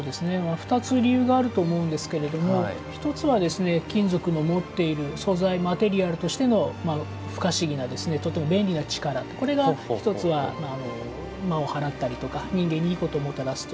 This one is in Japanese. ２つ理由があると思うんですけれども１つは金属の持っている素材、マテリアルとしての不可思議な便利な力これが１つは魔を払ったり人間にいいことをもたらすと。